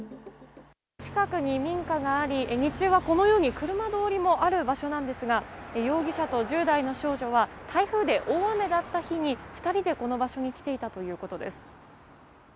近くに民家があり日中は、このように車通りもある場所なんですが容疑者と１０代の少女は台風で大雨だった日に２人で、この場所に来ていたということです。